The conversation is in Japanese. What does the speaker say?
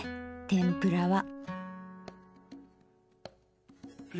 天ぷらは。